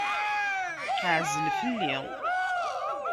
Ɛzel fell-i!